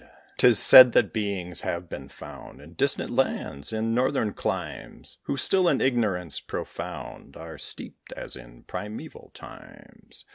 'Tis said that beings have been found, In distant lands, in northern climes, Who still in ignorance profound Are steeped, as in primeval times.